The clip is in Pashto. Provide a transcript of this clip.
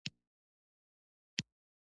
د پارلمان غونډې یې محدودې کړې.